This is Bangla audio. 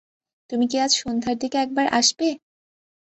তুমি কি আজ সন্ধ্যার দিকে একবার আসবে?